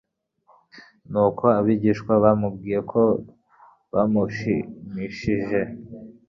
Nuko abigishwa bibwiye ko bamushimishije,